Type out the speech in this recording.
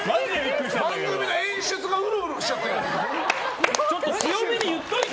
番組の演出がうろうろしちゃって。